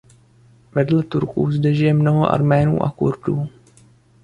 Vedle Turků zde žije mnoho Arménů a Kurdů.